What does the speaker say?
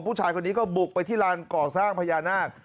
ผู้ชายคนนี้ก็บุกไปที่ลานก่อสร้างพญานาค